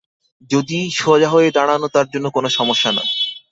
যদিও সোজা হয়ে দাঁড়ানো তার জন্যে কোনো সমস্যা নয়।